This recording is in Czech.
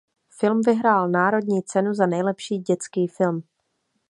Film vyhrál národní cenu za nejlepší dětský film.